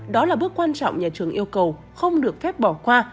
đó là bước quan trọng nhà trường yêu cầu không được phép bỏ qua